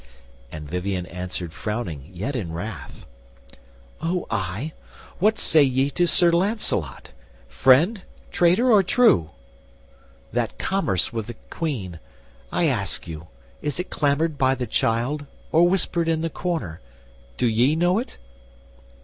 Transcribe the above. And Vivien answered frowning yet in wrath: "O ay; what say ye to Sir Lancelot, friend Traitor or true? that commerce with the Queen, I ask you, is it clamoured by the child, Or whispered in the corner? do ye know it?"